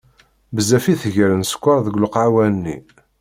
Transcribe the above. Bezzaf i tger n sskeṛ deg lqahwa-nni.